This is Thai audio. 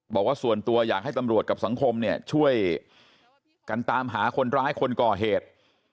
บอกว่าส่วนตัวอยากให้ตำรวจกับสังคมเนี่ยช่วยกันตามหาคนร้ายคนก่อเหตุ